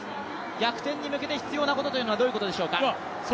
逆転に向けて必要なことはどんなことでしょうか。